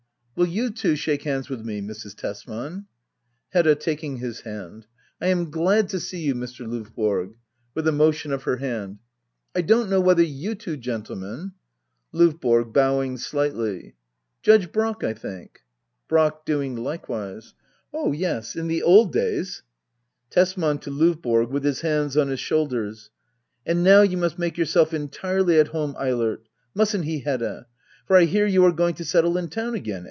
] Will you too shake hands witn me, Mrs. Tesman ? Hedda. [Taking his hand,] 1 am fflad to see you, Mr. Lovborg. [With a motion of her hand,] 1 don't know whether you two gendemen ? LdVBORO. [Bowing slightly. ] Judge Brack, I think. Brack. [Doing likewise.] Oh yes, — in the old days Tesman. [To LOvBORO, with his hands on his shoulders,] And now you must make yourself entirely at home, Eilert ! Musn't he, Hedda ?— For I hear you are going to settle in town again